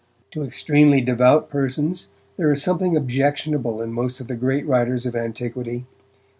To extremely devout persons, there is something objectionable in most of the great writers of antiquity.